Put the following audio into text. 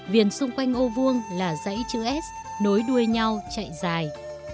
viền xung quanh ô vuông là dãy chữ s nối đuôi nhau chạy dài